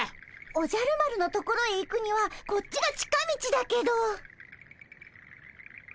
おじゃる丸のところへ行くにはこっちが近道だけど。